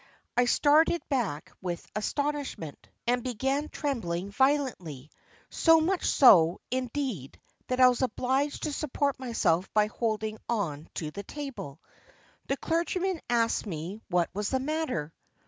I started back with astonishment, and began trembling violently, so much so, indeed, that I was obliged to support myself by holding on to the table. The clergyman asked me what was the matter.